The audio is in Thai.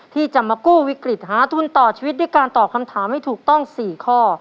ที่จะมากู้วิกฤตหาทุนต่อชีวิตด้วยการตอบคำถามให้ถูกต้อง๔ข้อ